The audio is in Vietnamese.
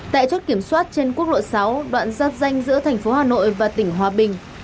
tại chốt kiểm soát trên quốc lộ sáu đoạn giáp danh giữa thành phố hà nội và tỉnh hòa bình